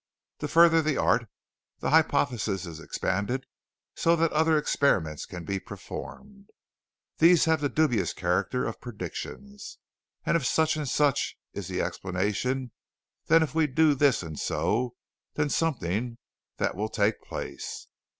To further the art, the hypothesis is expanded so that other experiments can be performed. These have the dubious character of predictions; if such and such is the explanation, then if we do this and so, then something that will take place.